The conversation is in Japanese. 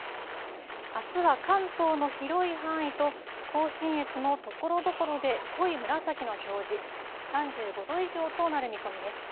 あすは関東の広い範囲と甲信越もところどころで濃い紫の表示、３５度以上となる見込みです。